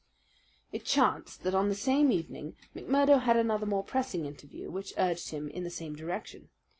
It chanced that on the same evening McMurdo had another more pressing interview which urged him in the same direction.